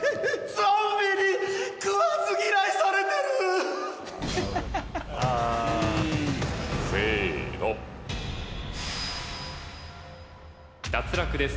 ゾンビに食わず嫌いされてるうんせーの脱落です